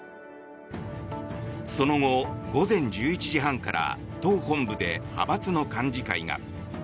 その後、午前１１時半から党本部で派閥の幹事会が。